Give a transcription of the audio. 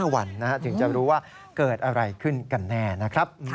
๕วันถึงจะรู้ว่าเกิดอะไรขึ้นกันแน่นะครับ